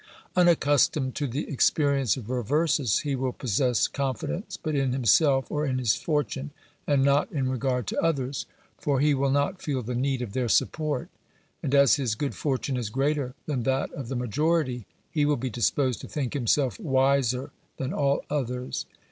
Unaccustomed to the experience of reverses, he will possess confidence, but in himself or in his fortune, and not in regard to others, for he will not feel the need of their support, and, as his good fortune is greater than that of the majority, he will be dis posed to think himself wiser than all others.